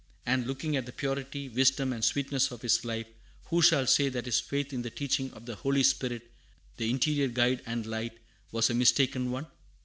And, looking at the purity, wisdom, and sweetness of his life, who shall say that his faith in the teaching of the Holy Spirit the interior guide and light was a mistaken one?